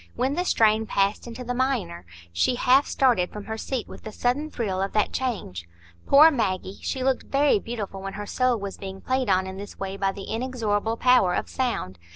When the strain passed into the minor, she half started from her seat with the sudden thrill of that change. Poor Maggie! She looked very beautiful when her soul was being played on in this way by the inexorable power of sound.